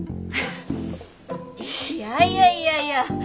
いやいやいやいや。